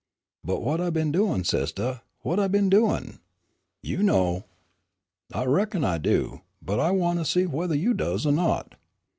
"But whut I been doin', sistah, whut I been doin'?" "You know." "I reckon I do, but I wan' see whethah you does er not."